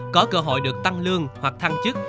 có cơ hội được tăng lương hoặc thăng chức